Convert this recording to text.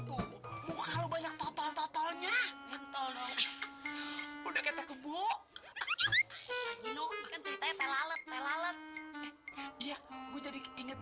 tuh kalau banyak total totalnya udah kebuk